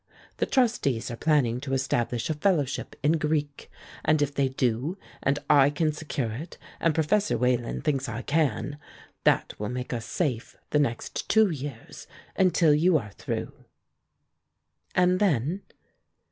The trustees are planning to establish a fellowship in Greek, and if they do and I can secure it and Professor Wayland thinks I can, that will make us safe the next two years until you are through." "And then?"